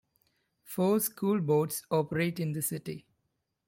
Four school boards operate in the city.